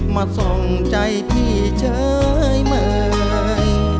มาทรงใจที่เชยเมื่อย